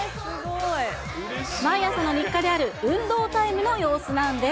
毎朝の日課である運動タイムの様子なんです。